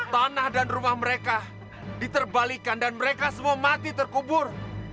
tanah dan rumah mereka diterbalikan dan mereka semua mati terkubur